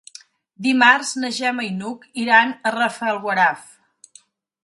Dimarts na Gemma i n'Hug iran a Rafelguaraf.